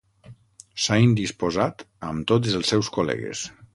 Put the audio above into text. S'ha indisposat amb tots els seus col·legues.